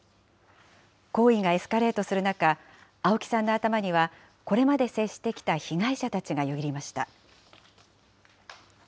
行為がエスカレートする中、青木さんの頭には、これまで接してきた被害者たちが頭をよぎりました。